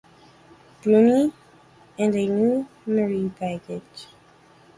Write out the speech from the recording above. Buntine and a new 'mitre' badge.